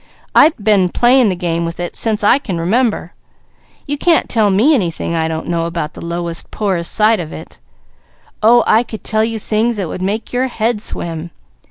I been playing the game with it since I can remember. You can't tell me anything I don't know about the lowest, poorest side of it. Oh I could tell you things that would make your head swim.